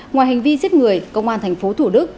ngoài hành vi giết người công an tp thủ đức